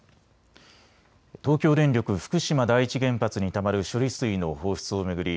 東京電力福島第一原発にたまる処理水の放出を巡り